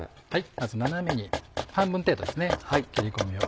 まず斜めに半分程度ですね切り込みを。